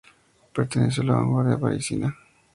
Perteneció a la vanguardia parisina.